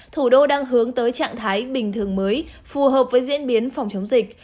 thủ đô đang hướng tới trạng thái bình thường mới phù hợp với diễn biến phòng chống dịch